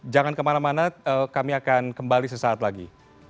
jangan kemana mana kami akan kembali sesaat lagi